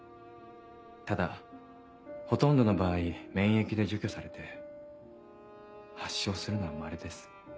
ただほとんどの場合免疫で除去されて発症するのは稀です。